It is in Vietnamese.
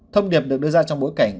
thông điệp được đưa ra trong bối cảnh